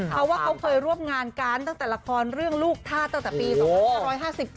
เขาเคยร่วมงานกันตั้งแต่ละครเรื่องลูกท่าตั้งแต่ปี๒๕๕๗อะ